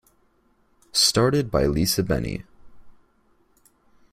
Started by Lisa Bennie.